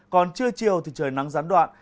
còn trưa chiều thì trời nắng gián đoạn